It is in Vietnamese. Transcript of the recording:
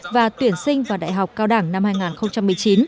và tuyển sinh vào đại học cao đẳng năm hai nghìn một mươi chín